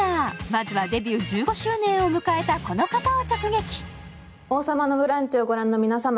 まずはデビュー１５周年を迎えたこの方を直撃。